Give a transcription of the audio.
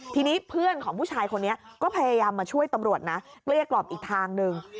ทีนี้เพื่อนของผู้ชายคนนี้ก็พยายามมาช่วยตำรวจนะเกลี้ยกล่อมอีกทางหนึ่ง